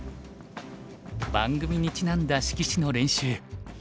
番組にちなんだ色紙の練習